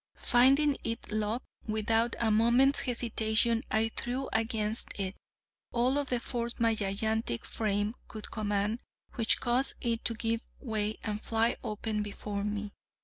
Finding it locked, without a moment's hesitation I threw against it, all of the force my gigantic frame could command which caused it to give way and fly open before me.